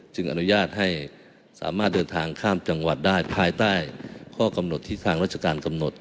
อนุญาตให้สามารถเดินทางข้ามจังหวัดได้ภายใต้ข้อกำหนดที่ทางราชการกำหนด